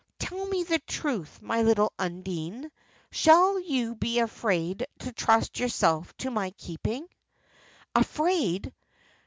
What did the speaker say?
Tell me the truth, my little Undine. Shall you be afraid to trust yourself to my keeping?" Afraid!